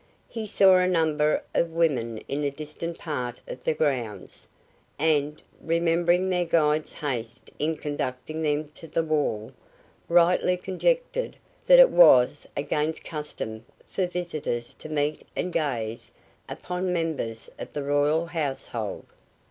He saw a number of women in a distant part of the grounds, and, remembering their guide's haste in conducting them to the wall, rightly conjectured that it was against custom for visitors to meet and gaze upon members of the royal household.